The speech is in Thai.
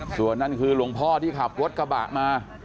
ส่วนนั่นคือหลวงพ่อที่ขับรถกระบะมา